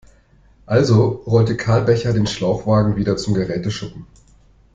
Also rollte Karl Becher den Schlauchwagen wieder zum Geräteschuppen.